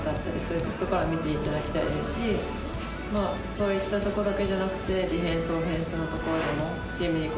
そういったとこだけじゃなくて。